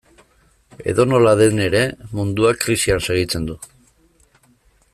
Edonola den ere, munduak krisian segitzen du.